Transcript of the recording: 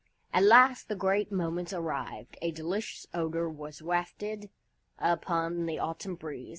At last the great moment arrived. A delicious odor was wafted upon the autumn breeze.